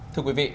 thưa quý vị